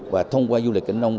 và thông qua du lịch kinh nông